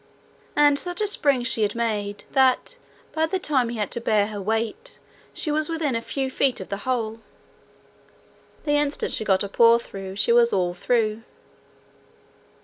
And such a spring had she made, that by the time he had to bear her weight she was within a few feet of the hole. The instant she got a paw through, she was all through.